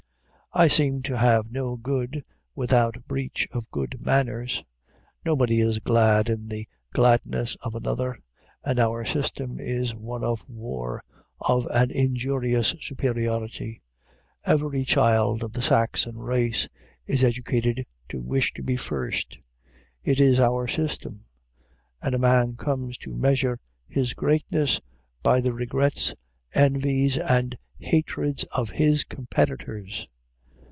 I seem to have no good, without breach of good manners. Nobody is glad in the gladness of another, and our system is one of war, of an injurious superiority. Every child of the Saxon race is educated to wish to be first. It is our system; and a man comes to measure his greatness by the regrets, envies, and hatreds of his competitors.